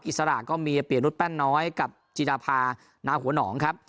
อิสระก็มีเปลี่ยนนุษยแป้นน้อยกับจีดาภานาหัวหนองครับ